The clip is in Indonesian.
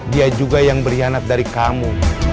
dia juga yang berkhianat dari kamu